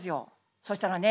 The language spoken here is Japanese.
そしたらね